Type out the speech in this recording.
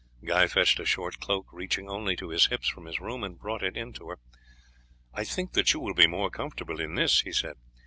Guy fetched a short cloak reaching only to his hips from his room and brought it in to her. "I think that you will be more comfortable in this," he said.